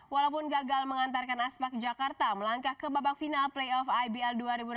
walaupun gagal mengantarkan aspak jakarta melangkah ke babak final playoff ibl dua ribu enam belas